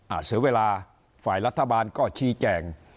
เสียเวลาฝ่ายรัฐบาลก็ชี้แจง